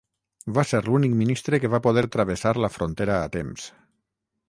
Va ser l'únic ministre que va poder travessar la frontera a temps.